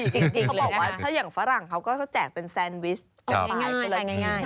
เขาบอกว่าถ้าอย่างฝรั่งเขาก็จะแจกเป็นแซนวิช